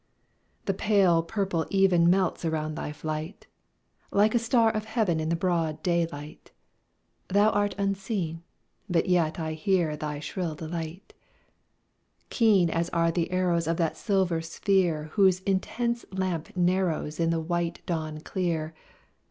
The pale purple even Melts around thy flight; Like a star of heaven, In the broad daylight Thou art unseen, but yet I hear thy shrill delight: Keen as are the arrows Of that silver sphere Whose intense lamp narrows In the white dawn clear.